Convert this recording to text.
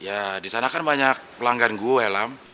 ya disana kan banyak pelanggan gue lam